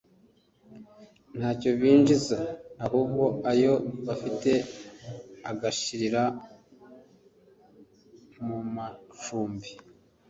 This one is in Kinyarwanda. ntacyo binjiza ahubwo ayo bafite agashirira mu macumbi